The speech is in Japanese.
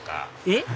えっ？